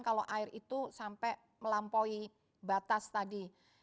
kalau air itu sampai melampaui batas tadi